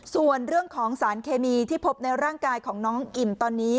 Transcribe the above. ส่วนเรื่องของสารเคมีที่พบในร่างกายของน้องอิ่มตอนนี้